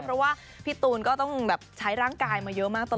เพราะว่าพี่ตูนก็ต้องแบบใช้ร่างกายมาเยอะมากตลอด